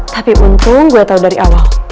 tapi untung gue tahu dari awal